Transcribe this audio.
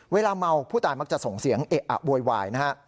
เวลาเมาผู้ตายมักจะส่งเสียงเอะอะโวยวายนะฮะ